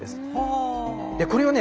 これをね